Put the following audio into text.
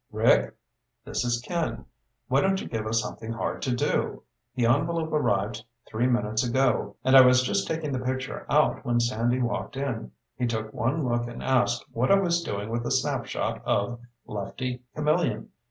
"Rick? ... This is Ken. Why don't you give us something hard to do? The envelope arrived three minutes ago, and I was just taking the picture out when Sandy walked in. He took one look and asked what I was doing with a snapshot of Lefty Camillion.